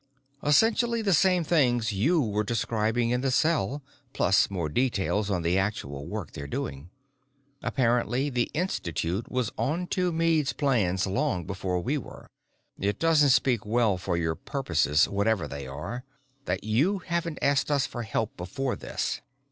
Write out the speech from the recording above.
"Essentially the same things you were describing in the cell, plus more details on the actual work they're doing. Apparently the Institute was onto Meade's plans long before we were. It doesn't speak well for your purposes, whatever they are, that you haven't asked us for help before this.